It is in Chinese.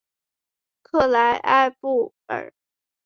克莱埃布尔。